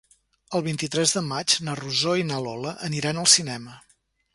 El vint-i-tres de maig na Rosó i na Lola aniran al cinema.